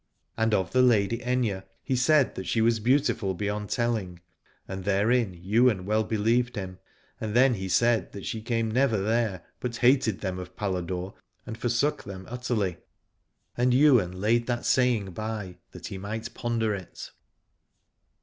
And of the Lady Aithne he said that she was beautiful beyond telling, and therein Ywain well believed him, and then he said that she came never I02 Alad ore there, but hated them of Paladore and forsook them utterly, and Ywain laid that saying by, that he might ponder it.